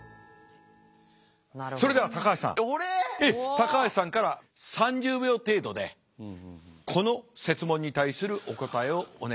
高橋さんから３０秒程度でこの設問に対するお答えをお願いしようということでございます。